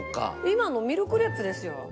今のミルクレープですよ。